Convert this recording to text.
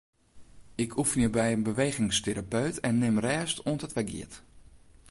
Ik oefenje by in bewegingsterapeut en nim rêst oant it wer giet.